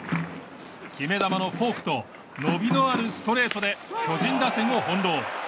決め球のフォークと伸びのあるストレートで巨人打線を翻弄。